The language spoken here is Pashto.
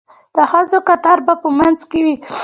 د ښځو کتار به په منځ کې وي.